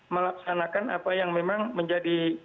melaksanakan apa yang memang menjadi